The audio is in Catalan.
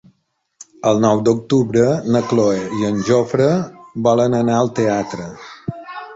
El nou d'octubre na Cloè i en Jofre volen anar al teatre.